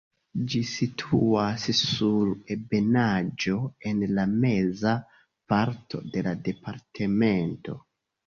Ĝi situas sur ebenaĵo en la meza parto de la departemento.